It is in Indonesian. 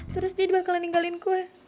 terus dia bakalan ninggalin kue